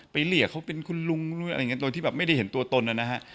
เรียกเขาเป็นคุณลุงอะไรอย่างนี้โดยที่แบบไม่ได้เห็นตัวตนนะฮะ